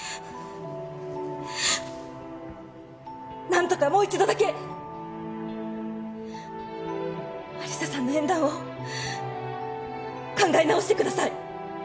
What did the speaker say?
何とかもう一度だけ有沙さんの縁談を考え直してください。